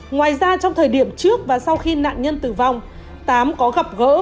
ngoài ra trong thời điểm trước và sau khi nạn nhân tử vong tám có gặp gỡ với dung